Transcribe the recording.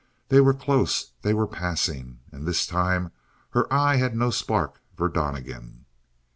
They were close; they were passing; and this time her eye had no spark for Donnegan.